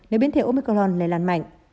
nếu biến thể omicron lây lan mạnh